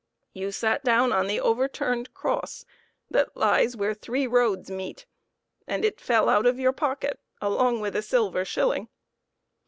You sat down on the overturned cross that lies where three roads meet, and it fell out of your pocket along with a silver shilling.